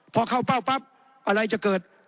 พอเข้าเป้าปั๊บอะไรจะเกิด